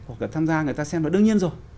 hoặc là tham gia người ta xem là đương nhiên rồi